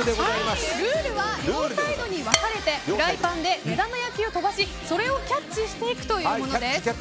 ルールは両サイドに分かれてフライパンで目玉焼きを飛ばしそれをキャッチしていくというものです。